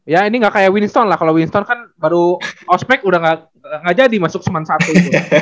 ya ini gak kayak winston lah kalo winston kan baru ospec udah gak jadi masuk sma satu itu